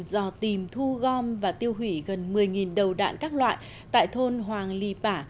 dò tìm thu gom và tiêu hủy gần một mươi đầu đạn các loại tại thôn hoàng lì bả